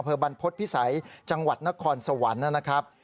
บรรพฤษภิษัยจังหวัดนครสวรรค์นะครับ